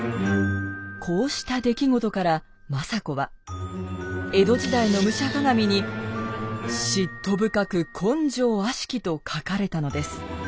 こうした出来事から政子は江戸時代の「武者鑑」に「嫉妬深く根性悪き」と書かれたのです。